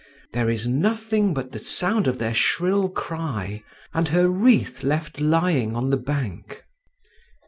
There is nothing but the sound of their shrill cry, and her wreath left lying on the bank."